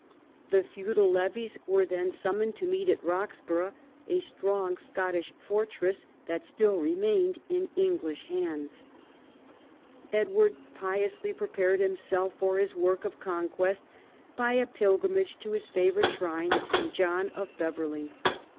The feudal levies were then summoned to meet at Roxburgh, a strong Scottish fortress that still remained in English hands. Edward piously prepared himself for his work of conquest by a pilgrimage to his favourite shrine of St. John of Beverley.